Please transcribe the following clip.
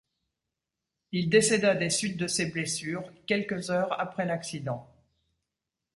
Il décéda des suites de ses blessures quelques heures après l'accident.